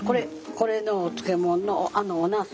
これのお漬物のおなす。